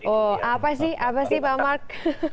oh apa sih apa sih pak mark